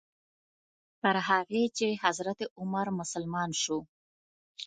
تر هغې چې حضرت عمر مسلمان شو.